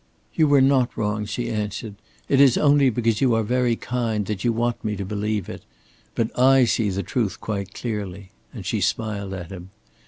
"You were not wrong," she answered. "It is only because you are very kind that you want me to believe it. But I see the truth quite clearly"; and she smiled at him.